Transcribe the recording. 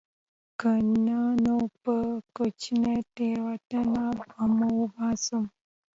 که نه نو په کوچنۍ تېروتنې به مو وباسم